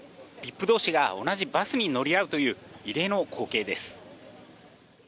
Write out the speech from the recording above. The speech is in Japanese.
ＶＩＰどうしが同じバスに乗り合うという、異例の光景です。